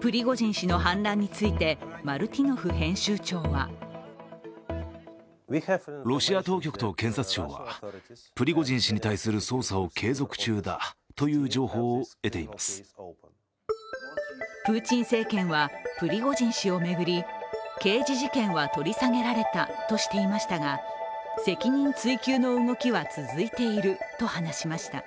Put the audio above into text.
プリゴジン氏の反乱についてマルティノフ編集長はプーチン政権は、プリゴジン氏を巡り、刑事事件は取り下げられたとしていましたが、責任追及の動きは続いていると話しました。